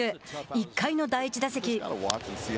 １回の第１打席。